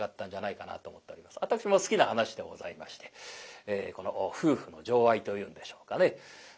私も好きな噺でございましてこの夫婦の情愛というんでしょうかね